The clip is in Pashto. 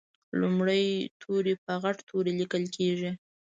لومړی توری په غټ توري لیکل کیږي.